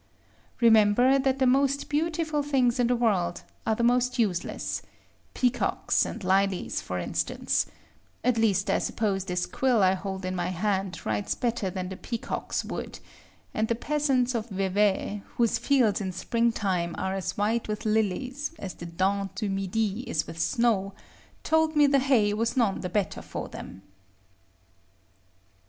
Remember that the most beautiful things in the world are the most useless; peacocks and lilies for instance; at least I suppose this quill I hold in my hand writes better than a peacock's would, and the peasants of Vevay, whose fields in spring time are as white with lilies as the Dent du Midi is with its snow, told me the hay was none the better for them.